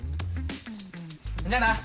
じゃあな。